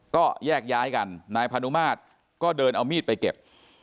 ก็แยกย้ายกันนายพานุมาตรก็เดินเอามีดไปเก็บ